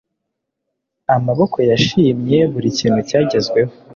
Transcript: amaboko yashimye buri kintu cyagezweho